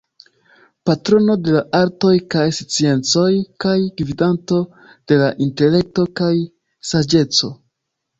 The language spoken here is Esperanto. Patrono de la artoj kaj sciencoj kaj gvidanto de la intelekto kaj saĝeco.